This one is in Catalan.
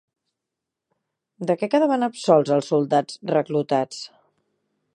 De què quedaven absolts els soldats reclutats?